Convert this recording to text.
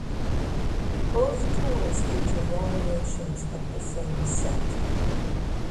Both tours feature variations of the same set.